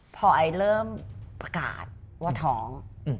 พอไอเริ่มประกาศว่าท้อง